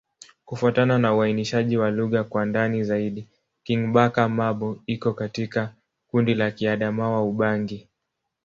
Kufuatana na uainishaji wa lugha kwa ndani zaidi, Kingbaka-Ma'bo iko katika kundi la Kiadamawa-Ubangi.